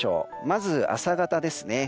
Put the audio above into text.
まず朝方ですね。